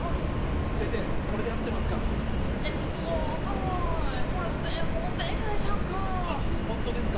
先生、これであってますか？